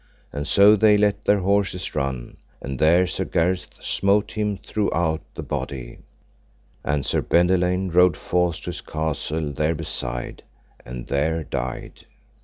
And so they let their horses run, and there Sir Gareth smote him throughout the body; and Sir Bendelaine rode forth to his castle there beside, and there died.